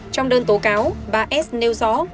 trong đơn tố cáo bà s nêu gió